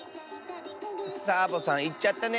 サボさんいっちゃったね。